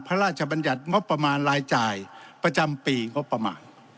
พระราชบัญญัติงบประมาณรายจ่ายประจำปีงบประมาณ